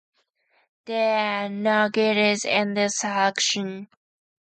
There are no guitars in this section.